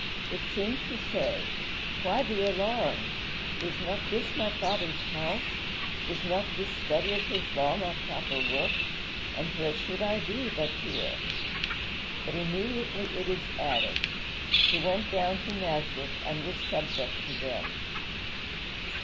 It seemed to say, "Why be alarmed? is not this my Father's house; is not this study of his law my proper work; and where should I be but here?" But immediately it is added, "He went down to Nazareth and was subject to them."